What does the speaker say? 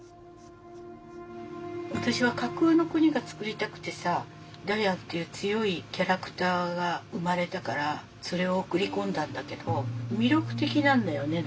私は架空の国がつくりたくてさダヤンっていう強いキャラクターが生まれたからそれを送り込んだんだけど魅力的なんだよね